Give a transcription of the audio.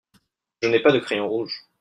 Je n'ai pas de crayon rouge.